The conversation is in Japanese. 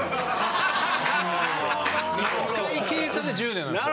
１回計算で１０年なんですよ。